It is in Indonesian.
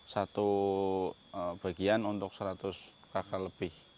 satu bagian untuk seratus kakak lebih